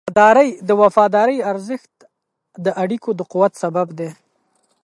د وفادارۍ ارزښت د اړیکو د قوت سبب دی.